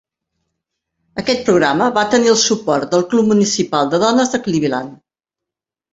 Aquest programa va tenir el suport del Club Municipal de Dones de Cleveland.